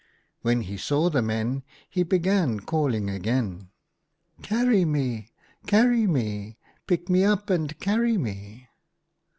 When he saw the men, he began calling again. "' Carry me, carry me ! Pick me up and carry me